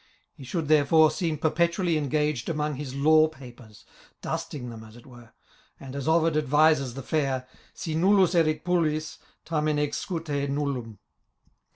He should, therefore, seem perpetually engaged among his law papers, dusting them, as it were ; and, as Ovid advises the fair, " Si nuUus erit palTis, tamen ezcate nullum.